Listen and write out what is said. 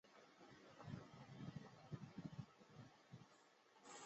悉尼轮渡是新南威尔士州的悉尼公共交通系统提供的轮渡服务。